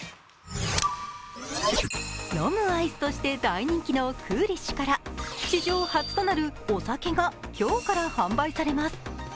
飲むアイスとして大人気のクーリッシュから史上初となるお酒が今日から販売されます。